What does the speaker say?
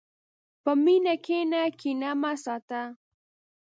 په مینه کښېنه، کینه مه ساته.